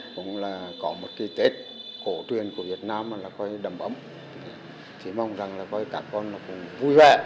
cũng là có một cái tết cổ truyền của việt nam là coi như đầm ấm thì mong rằng là coi cả con cũng vui vẻ